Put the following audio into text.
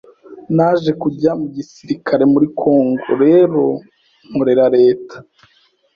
Naje kujya mu gisirikare muri congo rero nkorera Leta